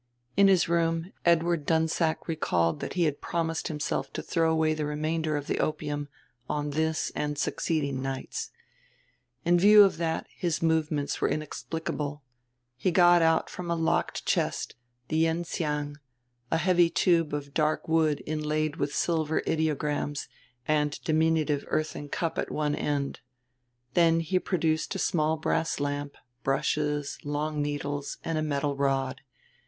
In his room Edward Dunsack recalled that he had promised himself to throw away the remainder of the opium on this and succeeding nights. In view of that his movements were inexplicable: he got out from a locked chest the yen tsiang, a heavy tube of dark wood inlaid with silver ideograms and diminutive earthen cup at one end. Then he produced a small brass lamp, brushes, long needles, and a metal rod.